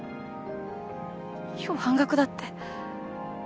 今日半額だって。